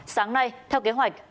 sáng nay theo kênh tổng thống